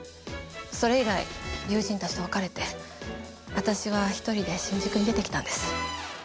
それ以来友人たちと別れて私は１人で新宿に出てきたんです。